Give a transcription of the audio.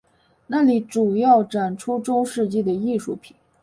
那里主要展出中世纪的艺术品。